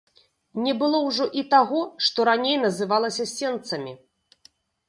Не было ўжо і таго, што раней называлася сенцамі.